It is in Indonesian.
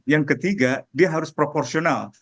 yang ketiga dia harus proporsional